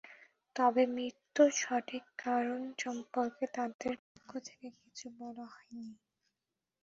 তবে মৃত্যুর সঠিক কারণ সম্পর্কে তাদের পক্ষ থেকে কিছু বলা হয়নি।